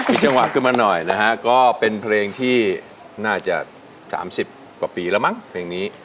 มีจังหวะขึ้นมาหน่อยนะฮะก็เป็นเพลงที่น่าจะ๓๐กว่าปีแล้วมั้งเพลงนี้